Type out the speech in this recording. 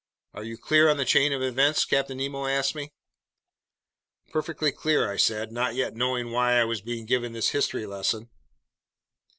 "Are you clear on the chain of events?" Captain Nemo asked me. "Perfectly clear," I said, not yet knowing why I was being given this history lesson.